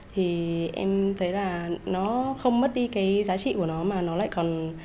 thì em thấy là nó không mất đi cái giá trị của nó mà nó lại còn